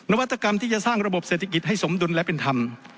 วัตกรรมที่จะสร้างระบบเศรษฐกิจให้สมดุลและเป็นธรรม